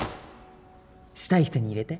したい人に入れて？